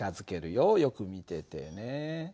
よく見ててね。